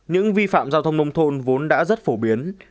những vi phạm giao thông nông thôn vốn đã rất phổ biến